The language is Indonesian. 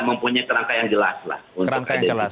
mempunyai kerangka yang jelas lah kerangka yang jelas